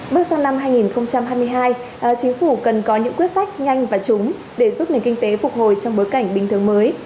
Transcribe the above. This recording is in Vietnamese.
bước sang năm hai nghìn hai mươi hai chính phủ cần có những quyết sách nhanh và chúng để giúp nền kinh tế phục hồi trong bối cảnh bình thường mới